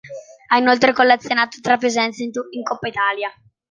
Ha inoltre collezionato tre presenze in Coppa Italia.